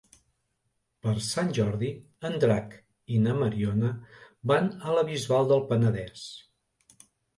Per Sant Jordi en Drac i na Mariona van a la Bisbal del Penedès.